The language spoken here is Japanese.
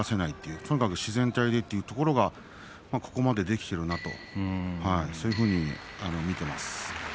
とにかく自然体でというところがここまでできているなとそういうふうに見ています。